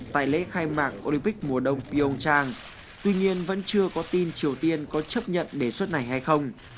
tại lễ khai mạng olympic mùa đông pyeongchang tuy nhiên vẫn chưa có tin triều tiên có chấp nhận đề xuất này hay không